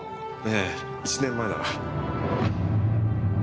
ええ１年前なら。